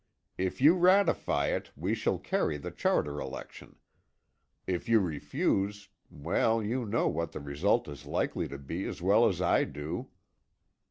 If you ratify it, we shall carry the charter election. If you refuse, well, you know what the result is likely to be as well as I do."